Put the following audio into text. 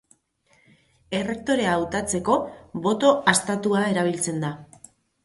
Errektorea hautatzeko boto haztatua erabiltzen da.